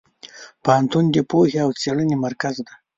پوهنتون د پوهې او څېړنې مرکز دی.